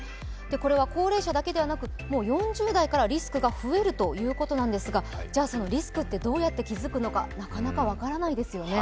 これは高齢者だけではなく４０代からリスクが増えるということなんですがじゃあ、そのリスクってどうやって気付くのかなかなか分からないですよね。